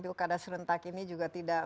pilkada serentak ini juga tidak